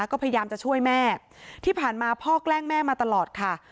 ก็พยายามจะช่วยแม่ที่ผ่านมาพ่อแกล้งแม่มาตลอดค่ะ